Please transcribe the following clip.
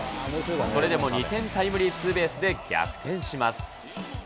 それでも２点タイムリーツーベースで逆転します。